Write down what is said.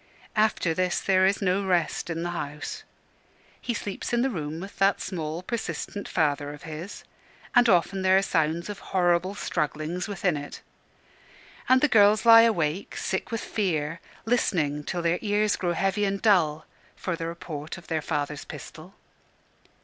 After this there is no rest in the house. He sleeps in the room with that small, persistent father of his, and often there are sounds of horrible strugglings within it. And the girls lie awake, sick with fear, listening, till their ears grow heavy and dull, for the report of their father's pistol.